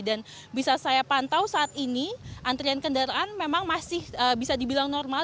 dan bisa saya pantau saat ini antrian kendaraan memang masih bisa dibilang normal